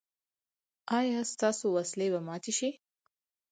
ایا ستاسو وسلې به ماتې شي؟